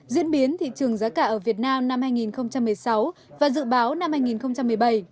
diễn biến thị trường giá cả ở việt nam năm hai nghìn một mươi sáu và dự báo năm hai nghìn một mươi bảy